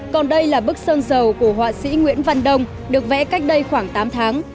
còn đây là bức sơn dầu của họa sĩ nguyễn văn đông được vẽ cách đây khoảng tám tháng